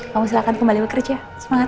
kamu silahkan kembali bekerja semangat